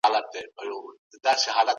کورنۍ به ستونزې حل کړي.